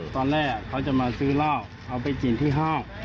ตอนแรกเขาจะมาซื้อเหล้าเอาไปกินที่ห้าง